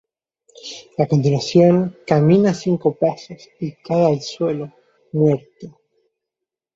A continuación, camina cinco pasos y cae al suelo, muerto.